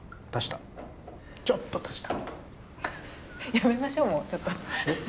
やめましょうもうちょっと。